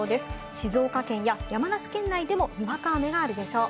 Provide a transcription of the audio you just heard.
静岡県や山梨県内でも、にわか雨があるでしょう。